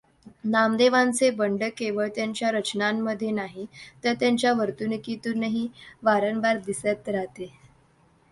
नामदेवांचे बंड केवळ त्यांच्या रचनांमध्ये नाही, तर त्यांच्या वर्तणुकीतूनही वारंवार दिसत राहते.